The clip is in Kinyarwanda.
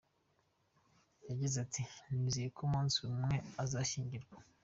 Yagize ati “nizeye ko umunsi umwe azashyingirwa.